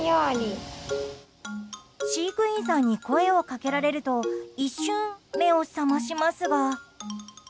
飼育員さんに声を掛けられると一瞬、目を覚ましますが。